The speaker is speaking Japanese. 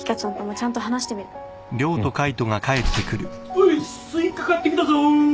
おいスイカ買ってきたぞ！